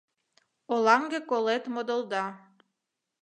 Оланге колет модылда.